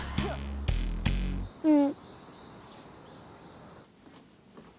うん。